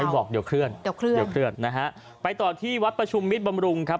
ไม่บอกเดี๋ยวเคลื่อนเดี๋ยวเคลื่อนนะฮะไปต่อที่วัดประชุมมิตรบำรุงครับ